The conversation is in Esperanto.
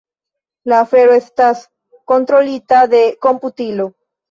La afero estas kontrolita de komputilo.